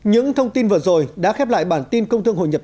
những thông tin vừa rồi đã khép lại bản tin công thương hội nhập